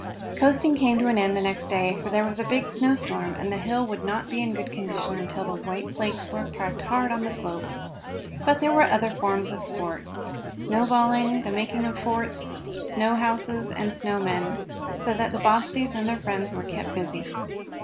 Coasting came to an end the next day, for there was a big snow storm, and the hill would not be in good condition until the white flakes were packed hard on the slope. But there were other forms of sport snowballing, the making of forts, snow houses and snow men, so that the Bobbseys and their friends were kept busy.